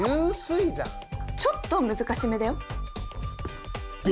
ちょっと難しめだよ！